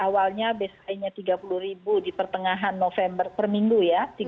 dari awalnya biasanya tiga puluh ribu di pertengahan november perminggu ya